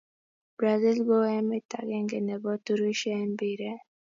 Brazil ko emet akenge ne bo turushe eng mpiret